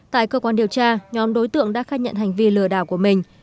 tại cơ quan điều tra nhóm đối tượng đã khai nhận hành vi lừa đảo của mình